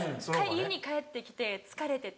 家に帰ってきて疲れてて。